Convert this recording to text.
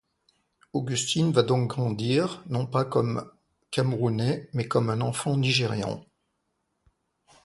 Augustine va donc grandir, non pas comme Camerounais, mais comme un enfant Nigérian.